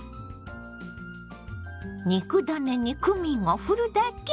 肉ダネにクミンをふるだけ！